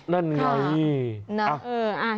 นั่นไงนะ